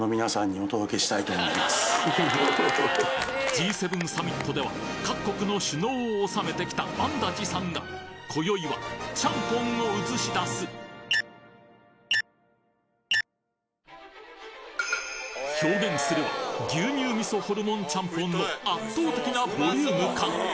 Ｇ７サミットでは各国の首脳を収めてきた安達さんがこよいはチャンポンを映し出す表現するは牛乳味噌ホルモンチャンポンの圧倒的なボリューム感！